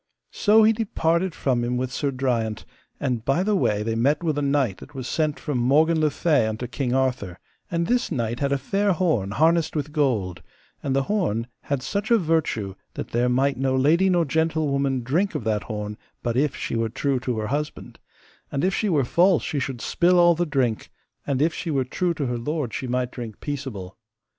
So he departed from him with Sir Driant, and by the way they met with a knight that was sent from Morgan le Fay unto King Arthur; and this knight had a fair horn harnessed with gold, and the horn had such a virtue that there might no lady nor gentlewoman drink of that horn but if she were true to her husband, and if she were false she should spill all the drink, and if she were true to her lord she might drink peaceable.